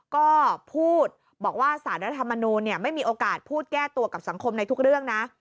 ก็พูดบอกว่าสารรัฐธรรมนูลไม่มีโอกาสพูดแก้ตัวกับสังคมในทุกเรื่องนะ